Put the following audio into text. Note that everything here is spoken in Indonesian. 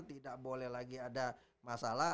tidak boleh lagi ada masalah